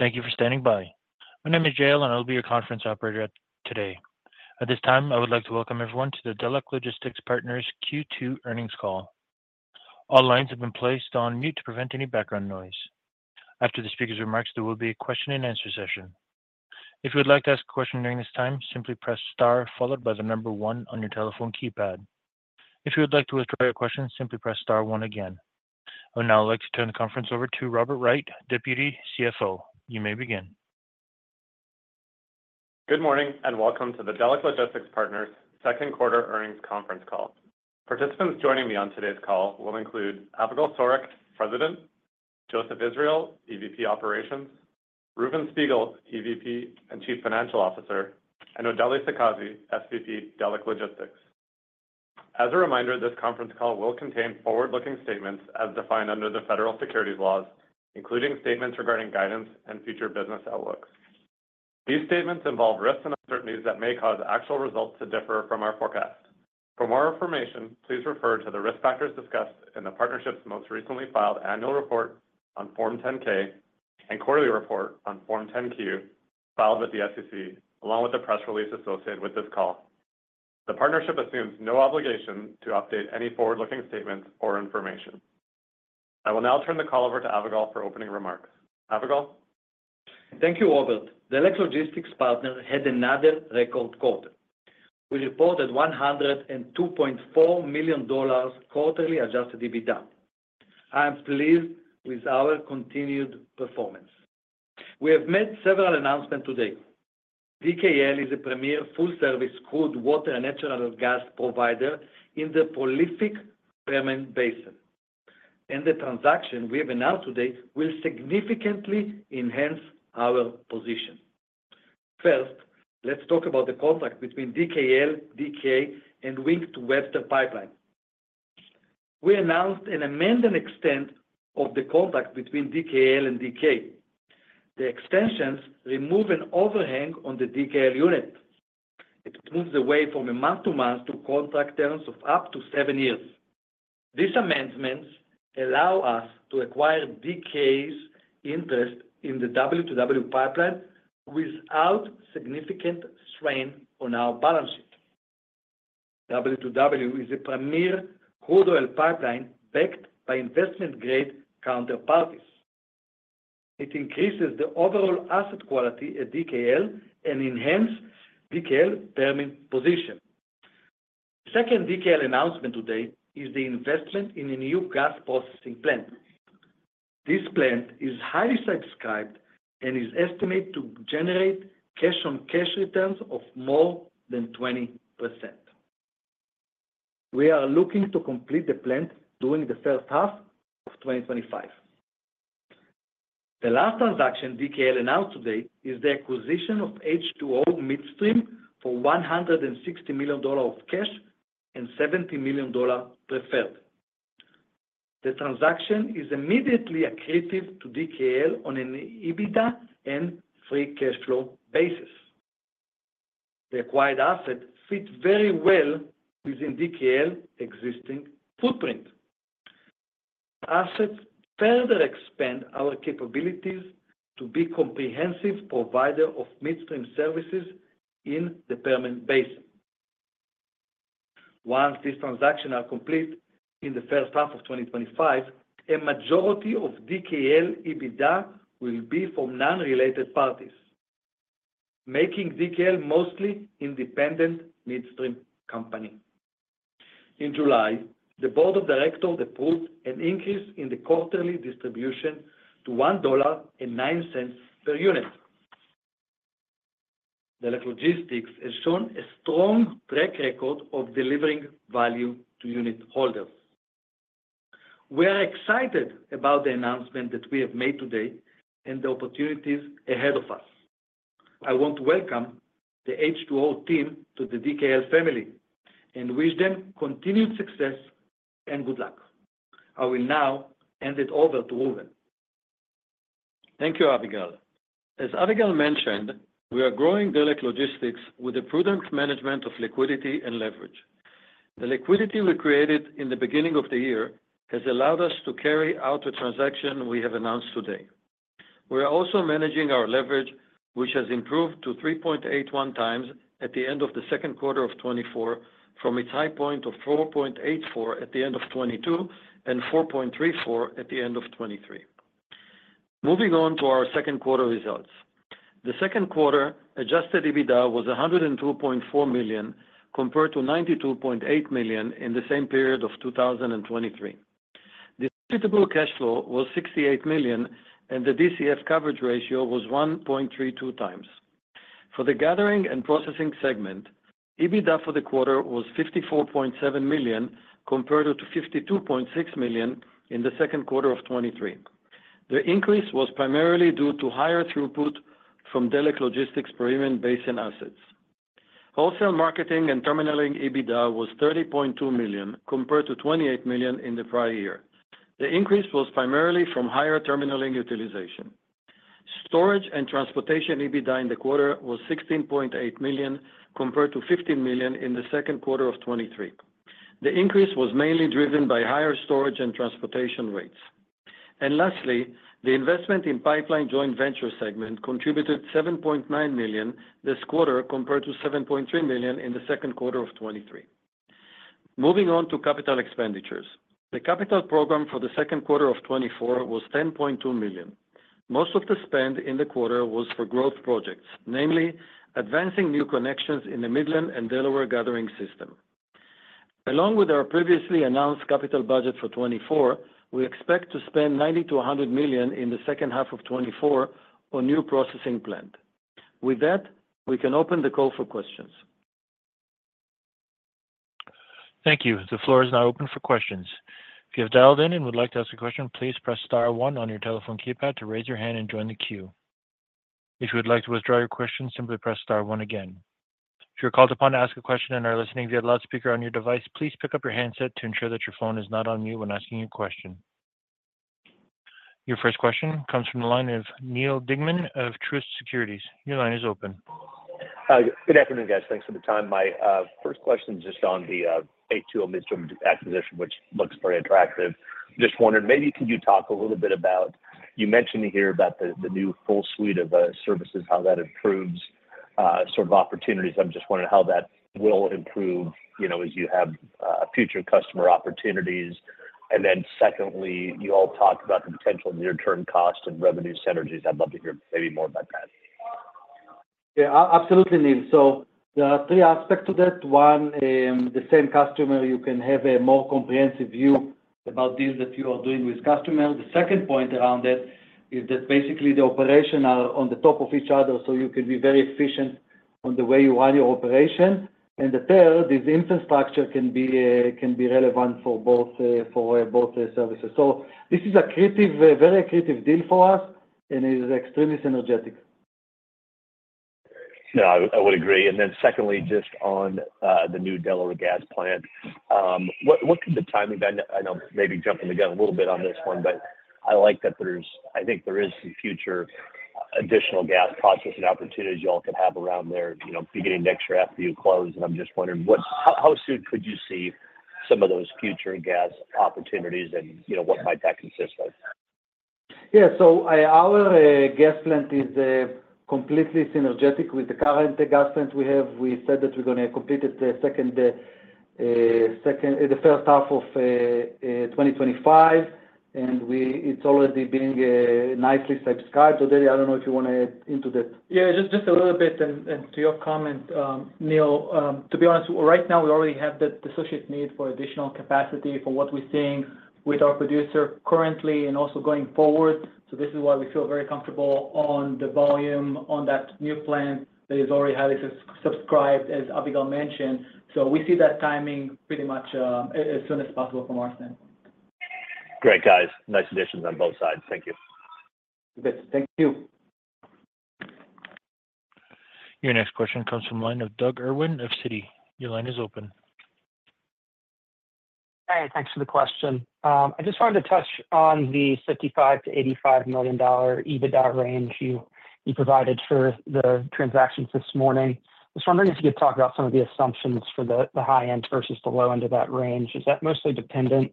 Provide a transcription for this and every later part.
Thank you for standing by. My name is Jael, and I'll be your conference operator today. At this time, I would like to welcome everyone to the Delek Logistics Partners Q2 earnings call. All lines have been placed on mute to prevent any background noise. After the speaker's remarks, there will be a question and answer session. If you would like to ask a question during this time, simply press star followed by the number one on your telephone keypad. If you would like to withdraw your question, simply press star one again. I would now like to turn the conference over to Robert Wright, Deputy CFO. You may begin. Good morning, and welcome to the Delek Logistics Partners Second Quarter Earnings Conference Call. Participants joining me on today's call will include Avigal Sorek, President; Joseph Israel, EVP Operations; Reuven Spiegel, EVP and Chief Financial Officer; and Odely Sakazi, SVP, Delek Logistics. As a reminder, this conference call will contain forward-looking statements as defined under the federal securities laws, including statements regarding guidance and future business outlooks. These statements involve risks and uncertainties that may cause actual results to differ from our forecast. For more information, please refer to the risk factors discussed in the partnership's most recently filed annual report on Form 10-K and quarterly report on Form 10-Q, filed with the SEC, along with the press release associated with this call. The partnership assumes no obligation to update any forward-looking statements or information. I will now turn the call over to Avigal for opening remarks. Avigal? Thank you, Robert. Delek Logistics Partners had another record quarter. We reported $102.4 million quarterly Adjusted EBITDA. I am pleased with our continued performance. We have made several announcements today. DKL is a premier full-service crude, water and natural gas provider in the prolific Permian Basin, and the transaction we have announced today will significantly enhance our position. First, let's talk about the contract between DKL, DK, and Wink to Webster Pipeline. We announced an amend and extend of the contract between DKL and DK. The extensions remove an overhang on the DKL unit. It moves away from a month-to-month to contract terms of up to seven years. These amendments allow us to acquire DK's interest in the W2W pipeline without significant strain on our balance sheet. W2W is a premier crude oil pipeline backed by investment-grade counterparties. It increases the overall asset quality at DKL and enhance DKL Permian position. The second DKL announcement today is the investment in a new gas processing plant. This plant is highly subscribed and is estimated to generate cash-on-cash returns of more than 20%. We are looking to complete the plant during the first half of 2025. The last transaction DKL announced today is the acquisition of H2O Midstream for $160 million of cash and $70 million preferred. The transaction is immediately accretive to DKL on an EBITDA and free cash flow basis. The acquired assets fit very well within DKL existing footprint. Assets further expand our capabilities to be comprehensive provider of midstream services in the Permian Basin. Once this transaction is complete in the first half of 2025, a majority of DKL EBITDA will be from non-related parties, making DKL a mostly independent midstream company. In July, the board of directors approved an increase in the quarterly distribution to $1.09 per unit. Delek Logistics has shown a strong track record of delivering value to unit holders. We are excited about the announcement that we have made today and the opportunities ahead of us. I want to welcome the H2O team to the DKL family and wish them continued success and good luck. I will now hand it over to Reuven. Thank you, Avigal. As Avigal mentioned, we are growing Delek Logistics with a prudent management of liquidity and leverage. The liquidity we created in the beginning of the year has allowed us to carry out the transaction we have announced today. We are also managing our leverage, which has improved to 3.81x at the end of the second quarter of 2024, from its high point of 4.84x at the end of 2022 and 4.34x at the end of 2023. Moving on to our second quarter results. The second quarter Adjusted EBITDA was $102.4 million, compared to $92.8 million in the same period of 2023. Distributable Cash Flow was $68 million, and the DCF coverage ratio was 1.32x. For the gathering and processing segment, EBITDA for the quarter was $54.7 million, compared to $52.6 million in the second quarter of 2023. The increase was primarily due to higher throughput from Delek Logistics Permian Basin assets. Wholesale marketing and terminalling EBITDA was $30.2 million, compared to $28 million in the prior year. The increase was primarily from higher terminalling utilization. Storage and transportation EBITDA in the quarter was $16.8 million, compared to $15 million in the second quarter of 2023.... The increase was mainly driven by higher storage and transportation rates. Lastly, the investment in pipeline joint venture segment contributed $7.9 million this quarter, compared to $7.3 million in the second quarter of 2023. Moving on to capital expenditures. The capital program for the second quarter of 2024 was $10.2 million. Most of the spend in the quarter was for growth projects, namely advancing new connections in the Midland Gathering System and Delaware Gathering System. Along with our previously announced capital budget for 2024, we expect to spend $90 million-$100 million in the second half of 2024 on new processing plant. With that, we can open the call for questions. Thank you. The floor is now open for questions. If you have dialed in and would like to ask a question, please press star one on your telephone keypad to raise your hand and join the queue. If you would like to withdraw your question, simply press star one again. If you're called upon to ask a question and are listening via loudspeaker on your device, please pick up your handset to ensure that your phone is not on mute when asking your question. Your first question comes from the line of Neal Dingmann of Truist Securities. Your line is open. Hi. Good afternoon, guys. Thanks for the time. My first question is just on the H2O Midstream acquisition, which looks very attractive. Just wondered, maybe could you talk a little bit about... You mentioned here about the new full suite of services, how that improves sort of opportunities. I'm just wondering how that will improve, you know, as you have future customer opportunities. And then secondly, you all talked about the potential near-term cost and revenue synergies. I'd love to hear maybe more about that. Yeah, absolutely, Neal. So there are three aspects to that. One, the same customer, you can have a more comprehensive view about this, that you are doing with customer. The second point around it is that basically the operation are on the top of each other, so you can be very efficient on the way you run your operation. And the third, this infrastructure can be relevant for both services. So this is accretive, a very accretive deal for us, and it is extremely synergetic. No, I would agree. And then secondly, just on the new Delaware gas plant, what could the timing then, I know maybe jumping the gun a little bit on this one, but I like that there's, I think there is some future additional gas processing opportunities you all could have around there, you know, beginning next year after you close, and I'm just wondering, what, how soon could you see some of those future gas opportunities and, you know, what might that consist of? Yeah, so, our gas plant is completely synergetic with the current gas plant we have. We said that we're gonna complete it the second, the first half of 2025, and it's already being nicely subscribed. Odely, I don't know if you want to add into that. Yeah, just, just a little bit, and to your comment, Neal, to be honest, right now, we already have the associate need for additional capacity for what we're seeing with our producer currently and also going forward. So this is why we feel very comfortable on the volume on that new plant that is already highly subscribed, as Avigal mentioned. So we see that timing pretty much, as soon as possible from our stand. Great, guys. Nice additions on both sides. Thank you. Good. Thank you. Your next question comes from line of Doug Irwin of Citi. Your line is open. Hi, thanks for the question. I just wanted to touch on the $55 million-$85 million EBITDA range you, you provided for the transactions this morning. Just wondering if you could talk about some of the assumptions for the, the high end versus the low end of that range. Is that mostly dependent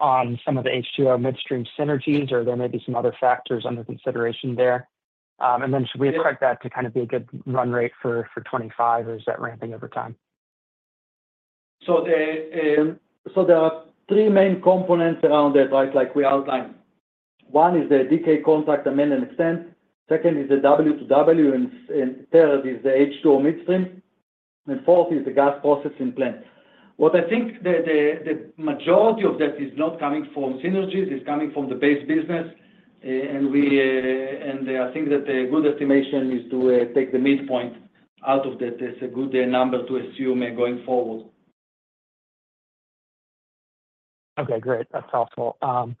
on some of the H2O Midstream synergies, or there may be some other factors under consideration there? And then should we expect that to kind of be a good run rate for 2025, or is that ramping over time? So the, so there are three main components around that, right? Like we outlined. One is the DK contract, amend and extend. Second is the W2W, and third is the H2O Midstream, and fourth is the gas processing plant. What I think the majority of that is not coming from synergies, it's coming from the base business. And we, and I think that a good estimation is to take the midpoint out of that. That's a good number to assume going forward. Okay, great. That's helpful. And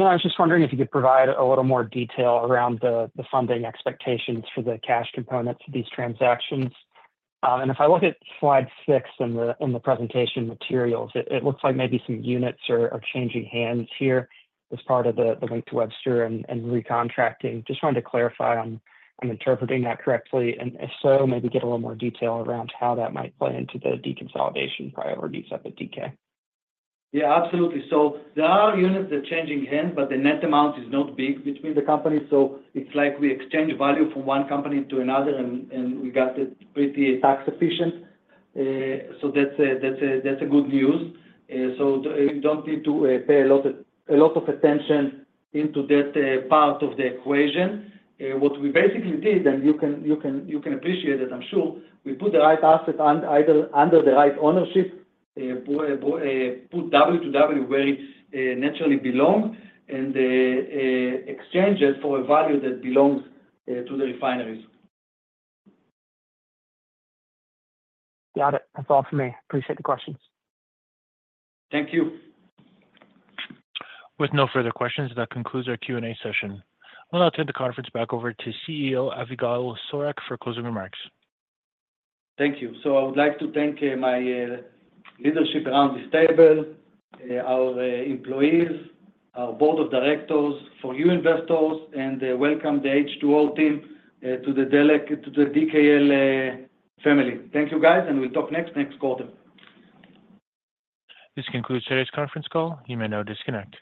then I was just wondering if you could provide a little more detail around the funding expectations for the cash components of these transactions. And if I look at slide six in the presentation materials, it looks like maybe some units are changing hands here as part of the Wink to Webster and recontracting. Just wanted to clarify I'm interpreting that correctly, and if so, maybe get a little more detail around how that might play into the deconsolidation priorities of the DK. Yeah, absolutely. So there are units that are changing hands, but the net amount is not big between the companies, so it's like we exchange value from one company to another, and we got it pretty tax efficient. So that's a good news. So you don't need to pay a lot of attention into that part of the equation. What we basically did, and you can appreciate it, I'm sure, we put the right asset on either under the right ownership, put W to W where it naturally belong, and exchange it for a value that belongs to the refineries. Got it. That's all for me. Appreciate the questions. Thank you. With no further questions, that concludes our Q&A session. I'll now turn the conference back over to CEO, Avigal Sorek, for closing remarks. Thank you. So I would like to thank my leadership around this table, our employees, our board of directors, for you investors, and welcome the H2O team to the Delek to the DKL family. Thank you, guys, and we'll talk next quarter. This concludes today's conference call. You may now disconnect.